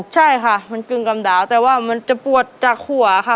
ใช่ค่ะมันกึ่งกำดาวแต่ว่ามันจะปวดจากหัวค่ะ